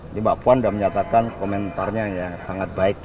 ini mbak puan sudah menyatakan komentarnya yang sangat baik